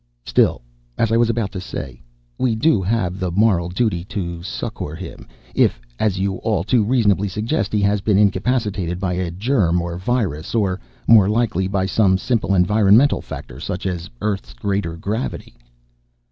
Still, as I was about to say, we do have the moral duty to succor him if, as you all too reasonably suggest, he has been incapacitated by a germ or virus or, more likely, by some simple environmental factor such as Earth's greater gravity."